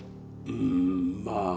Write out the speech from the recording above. うんまあ